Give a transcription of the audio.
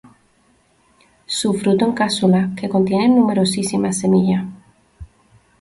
Su fruto en cápsula que contiene numerosísimas semillas.